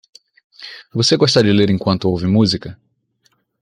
Você gosta de ler enquanto ouve música?